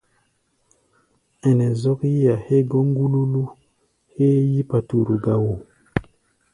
Ɛnɛ zɔ́k yí-a hégɔ́ ŋgúlúlú héé yí-paturu gá wo.